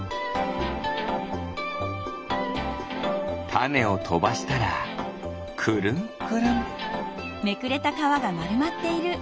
たねをとばしたらくるんくるん。